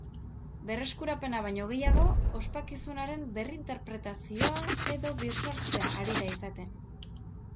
Berreskurapena baino gehiago, ospakizunaren berrinterpretazioa edo birsortzea ari da izaten.